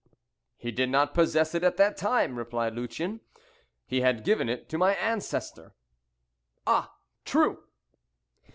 "He did not possess it at that time," replied Lucien; "he had given it to my ancestor." "Ah! true!"